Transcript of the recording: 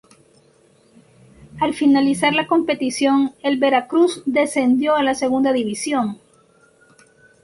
Al finalizar la competición el Veracruz descendió a la Segunda División.